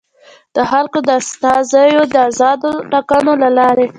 د خلکو د استازیو د ازادو ټاکنو له لارې.